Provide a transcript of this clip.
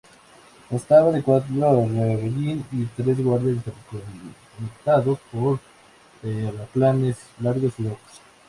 Constaba de cuatro revellín y tres guardia interconectados por terraplenes largos y bajos.